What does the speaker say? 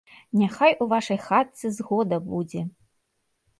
Няхай у вашай хатцы згода будзе!